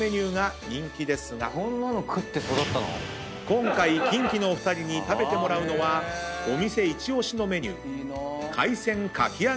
今回キンキのお二人に食べてもらうのはお店一押しのメニュー。